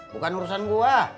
bukan urusan gue